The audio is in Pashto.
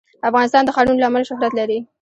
افغانستان د ښارونه له امله شهرت لري.